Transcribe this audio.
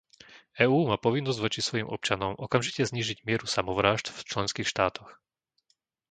EÚ má povinnosť voči svojim občanom okamžite znížiť mieru samovrážd v členských štátoch.